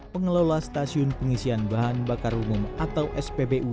pengelola stasiun pengisian bahan bakar umum atau spbu